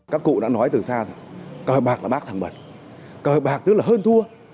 các cụ đã nói từ xa rồi cờ bạc là bác thằng bẩn cờ bạc tức là hơn thua